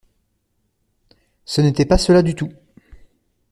Ce n’était pas cela du tout.